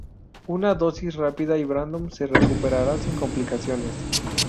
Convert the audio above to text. Una dosis rápida y Brandon se recuperará sin complicaciones.